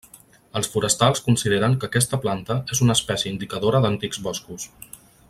Els forestals consideren que aquesta planta és una espècie indicadora d'antics boscos.